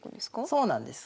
そうなんです。